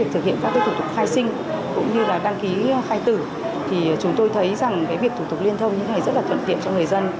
thực hiện các thủ tục khai sinh cũng như là đăng ký khai tử chúng tôi thấy việc thủ tục liên thông rất là thuận tiện cho người dân